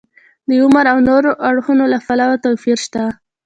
د عمر او نورو اړخونو له پلوه توپیر شته.